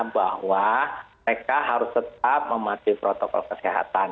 bahwa mereka harus tetap mematuhi protokol kesehatan